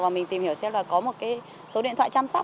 và mình tìm hiểu xem là có một cái số điện thoại chăm sóc